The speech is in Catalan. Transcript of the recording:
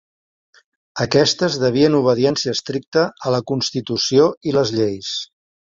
Aquestes devien obediència estricta a la Constitució i les lleis.